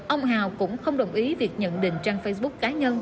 ông hào cũng không đồng ý việc nhận định trang facebook cá nhân